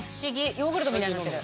ヨーグルトみたいになってる。